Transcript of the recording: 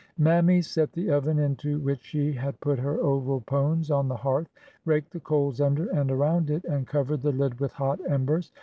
Mammy set the oven into which she had put her oval pones on the hearth, raked the coals under and around it, and covered the lid with hot embers.